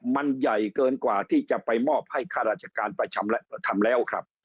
มันใหญ่เกินกว่าที่จะไปมอบให้ข้าราชการประจำทำแล้วครับ